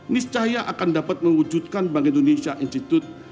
niscaya akan dapat mewujudkan bank indonesia institute